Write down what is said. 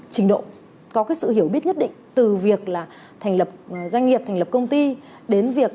trình độ có sự hiểu biết nhất định từ việc là thành lập doanh nghiệp thành lập công ty đến việc